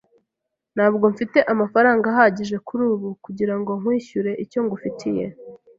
Ntabwo mfite amafaranga ahagije kuri ubu kugirango nkwishyure icyo ngufitiye.